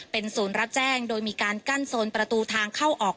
เป็นศูนย์รับแจ้งโดยมีการกั้นโซนประตูทางเข้าออก